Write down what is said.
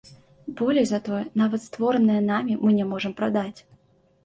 Болей за тое, нават створанае намі мы не можам прадаць.